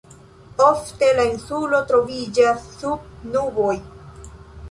Ofte la insulo troviĝas sub nuboj.